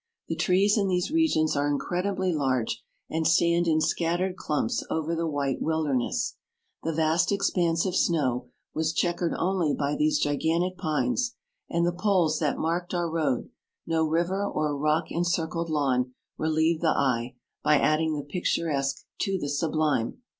The trees in these regions are incredibly large, and stand in scattered clumps over the white wil derness ; the vast expanse of snow was chequered only by these gigantic pines, and the poles that marked our road : no river or rock encircled lawn relieved the eye, by adding the picturesque to the sublime.